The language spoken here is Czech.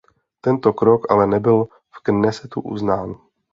Tento krok ale nebyl v Knesetu uznán.